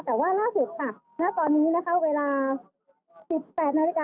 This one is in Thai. แต่ว่าราดวิธีค่ะก็ตอนนี้นะคะเวลาสี่สิบแปดนาฬิกา